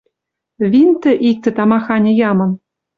Винтӹ иктӹ тамаханьы ямын...»